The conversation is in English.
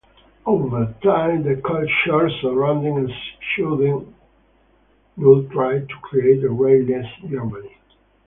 Over time the culture surrounding stunde null tried to create a 'race-less' Germany.